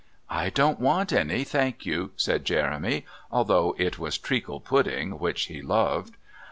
"I don't want any, thank you," said Jeremy, although it was treacle pudding, which he loved.